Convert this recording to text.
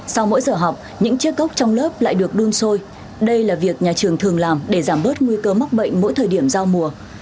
sau mỗi giờ học những chiếc cốc trong lớp lại được đun sôi đây là việc nhà trường thường làm để giảm bớt nguy cơ mắc bệnh mỗi thời điểm giao mùa